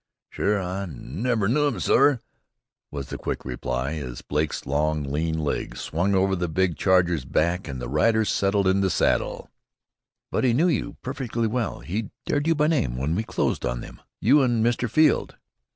"Shure, I niver knew him, sorr," was the quick reply, as Blake's long, lean leg swung over the big charger's back and the rider settled in saddle. "But he knew you perfectly well. He dared you by name, when we closed on them you and Mr. Field."